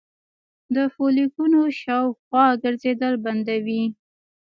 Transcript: د فولیکونو شاوخوا ګرځیدل بندوي